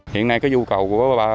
hiện nay cái nhu cầu của bác bác là